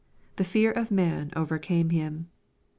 The fear of man overcame him.